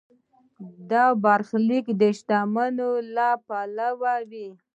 دا برخلیک د شتمنۍ له پلوه وي.